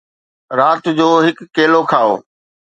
رات جو هڪ کيلو کائو